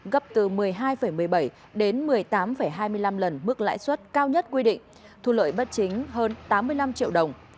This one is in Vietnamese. gấp từ một mươi hai một mươi bảy đến một mươi tám hai mươi năm lần mức lãi suất cao nhất quy định thu lợi bất chính hơn tám mươi năm triệu đồng